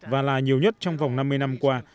và là nhiều nhất trong vòng năm mươi năm qua